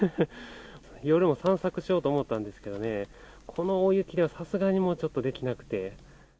夜も散策しようと思ったんですけどね、この大雪では、さすがにもうちょっとできなくて。